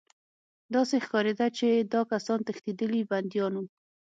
داسې ښکارېده چې دا کسان تښتېدلي بندیان وو